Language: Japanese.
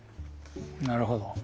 なるほど。